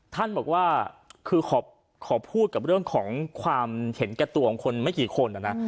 ท่านบอกว่าคือขอพูดกับเรื่องของความเห็นแก่ตัวของคนไม่กี่คนนะ